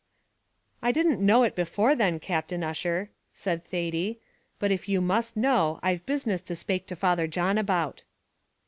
"I didn't know it before then, Captain Ussher," said Thady; "but if you must know, I've business to spake to Father John about."